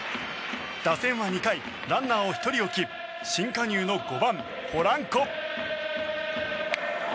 打線は２回、ランナーを１人置き新加入の５番、ポランコ。